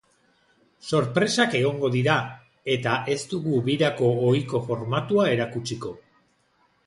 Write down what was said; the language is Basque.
Sorpresak egongo dira, eta ez dugu birako ohiko formatua erakutsiko.